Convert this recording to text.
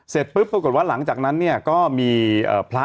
เสร็จปุ๊บปรากฏว่าหลังจากนั้นเนี่ยก็มีพระ